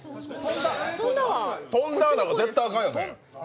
飛んだは、絶対あかんよね。